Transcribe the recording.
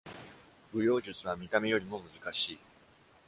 舞踊術は見た目よりも難しい。